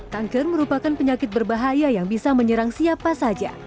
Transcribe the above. kanker merupakan penyakit berbahaya yang bisa menyerang siapa saja